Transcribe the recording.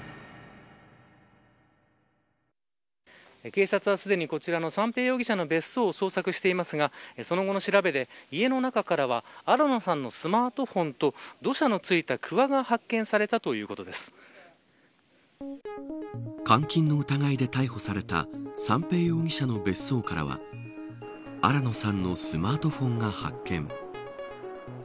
警察は、すでに、こちらの三瓶容疑者の別荘を捜索していますがその後の調べで、家の中からは新野さんのスマートフォンと土砂のついたくわが発見された監禁の疑いで逮捕された三瓶容疑者の別荘からは新野さんのスマートフォンが発見。